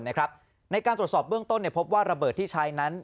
ในการตรวจสอบเบื้องต้นพบว่าระเบิดที่ใช้นั้น